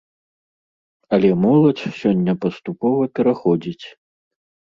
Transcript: Але моладзь сёння паступова пераходзіць.